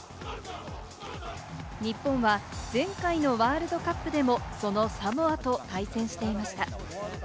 日本は前回のワールドカップでもそのサモアと対戦していました。